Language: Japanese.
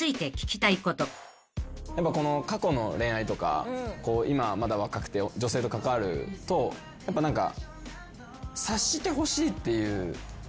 過去の恋愛とか今まだ若くて女性と関わるとやっぱ何か。